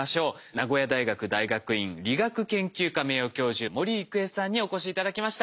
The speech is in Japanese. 名古屋大学大学院理学研究科名誉教授森郁恵さんにお越し頂きました。